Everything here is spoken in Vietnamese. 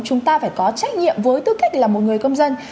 chúng ta phải có trách nhiệm với tư cách là một người công dân